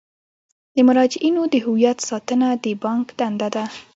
د مراجعینو د هویت ساتنه د بانک دنده ده.